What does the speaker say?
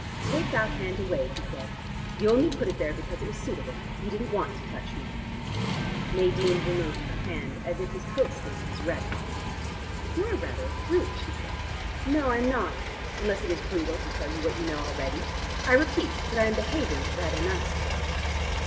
"Take that hand away," he said. "You only put it there because it was suitable. You didn't want to touch me." Nadine removed her hand, as if his coat sleeve was red hot. "You are rather a brute," she said. "No, I am not, unless it is brutal to tell you what you know already. I repeat that I am behaving rather nicely."